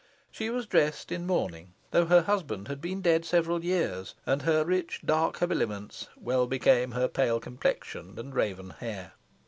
She was dressed in mourning, though her husband had been dead several years, and her rich dark habiliments well became her pale complexion and raven hair.